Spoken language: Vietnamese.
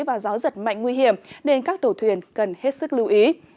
và gió giật mạnh nguy hiểm nên các tổ thuyền cần hết sức lưu ý